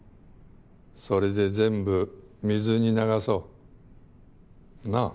それで全部水に流そう。なぁ？